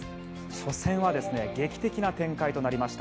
初戦は劇的な展開となりました。